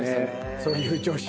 そういう女子。